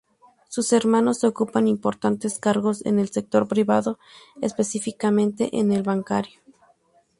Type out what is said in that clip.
Sus hermanos ocupan importantes cargos en el sector privado, específicamente en el bancario.